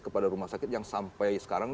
kepada rumah sakit yang sampai sekarang